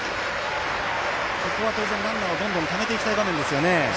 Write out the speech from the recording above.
ここは当然、ランナーをどんどんためていきたい場面ですよね。